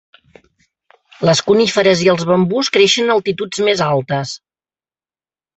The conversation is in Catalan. Les coníferes i els bambús creixen a altituds més altes.